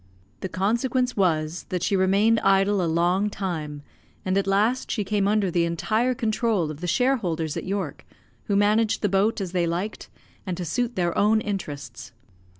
The consequence was that she remained idle a long time, and at last she came under the entire control of the shareholders at York, who managed the boat as they liked, and to suit their own interests.